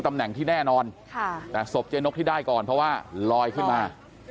ตำแหน่งที่แน่นอนค่ะแต่ศพเจ๊นกที่ได้ก่อนเพราะว่าลอยขึ้นมา